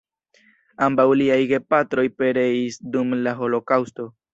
Ambaŭ liaj gepatroj pereis dum la Holokaŭsto.